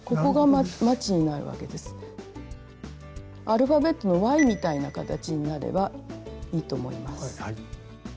アルファベットのＹみたいな形になればいいと思います。